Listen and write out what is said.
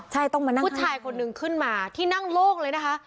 ใช่ต้องมานั่งผู้ชายคนนึงขึ้นมาที่นั่งโล่งเลยนะคะ